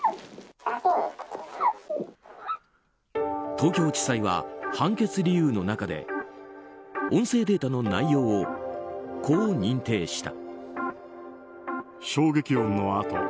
東京地裁は判決理由の中で音声データの内容をこう認定した。